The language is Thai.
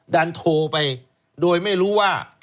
ดันโทรไปโดยไม่รู้ว่า